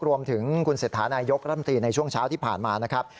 รวมถึงคุณเศรษฐานายกรัฐมนตรีในช่วงเช้าที่ผ่านมานะครับ